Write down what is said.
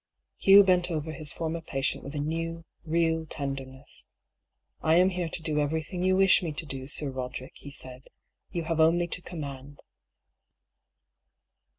Hugh bent over his for mer patient with a new, real tenderness. ^' I am here to do everything you wish me to do, Sir Roderick,'^ he said ;" you have only to command."